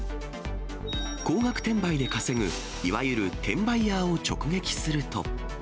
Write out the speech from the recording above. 高額転売で稼ぐ、いわゆる転売ヤーを直撃すると。